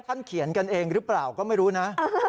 เขียนกันเองหรือเปล่าก็ไม่รู้นะ